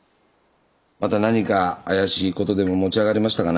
また何か怪しいことでも持ち上がりましたかな？